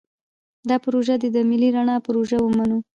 دا پروژه دې د ملي رڼا پروژه ومنو.